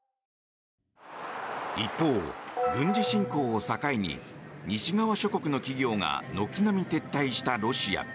一方、軍事侵攻を境に西側諸国の企業が軒並み撤退したロシア。